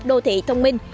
đô thị thông minh